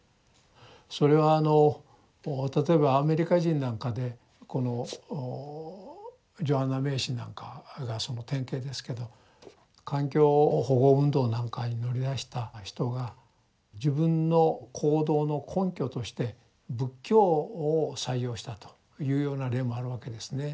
それはあの例えばアメリカ人なんかでこのジョアンナ・メイシーなんかがその典型ですけど環境保護運動なんかに乗り出した人が自分の行動の根拠として仏教を採用したというような例もあるわけですね。